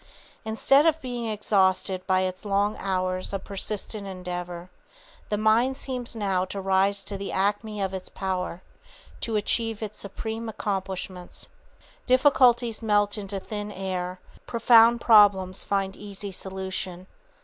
Instead of being exhausted by its long hours of persistent endeavor, the mind seems now to rise to the acme of its power, to achieve its supreme accomplishments. Difficulties melt into thin air, profound problems find easy solution.